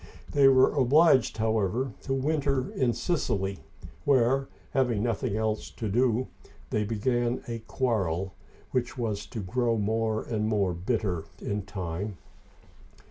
They were obliged, however, to winter in Sicily, where, having nothing else to do, they began a quarrel, wl^ich was to grow more and more bitter in time.